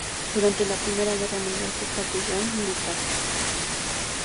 Durante la Primera Guerra Mundial fue capellán militar.